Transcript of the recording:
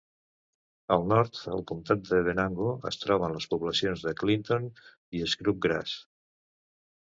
Al nord, al comptat de Venango, es troben les poblacions de Clinton i Scrubgrass.